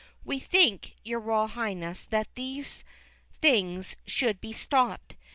We think, your Royal Highness, that these things should be stopped.